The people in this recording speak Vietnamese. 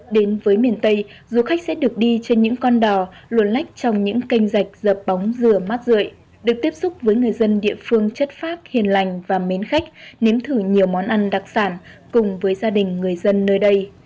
đến với miền tây du khách sẽ được đi trên những con đò luồn lách trong những kênh dạch dợp bóng dừa mát rượi được tiếp xúc với người dân địa phương chất phát hiền lành và mến khách nếm thử nhiều món ăn đặc sản cùng với gia đình người dân nơi đây